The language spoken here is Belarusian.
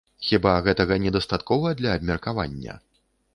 Хіба гэтага не дастаткова для абмеркавання?